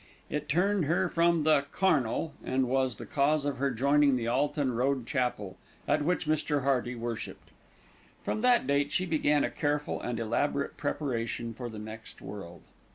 It turned her from the "carnal," and was the cause of her joining the Alton Road Chapel, at which Mr. Hearty worshipped. From that date she began a careful and elaborate preparation for the next world.